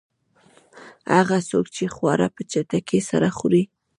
هغه څوک چې خواړه په چټکۍ سره خوري.